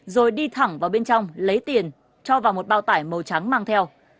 rồi đi thẳng vào bên trong lấy tiền cho vào một bao tải màu trắng mang theo